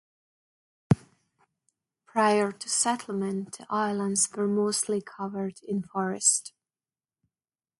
Prior to settlement the islands were mostly covered in forest.